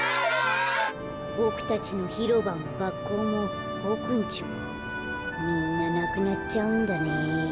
ボクたちのひろばもがっこうもボクんちもみんななくなっちゃうんだね。